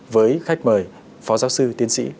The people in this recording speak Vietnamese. với khách mời phó giáo sư tiến sĩ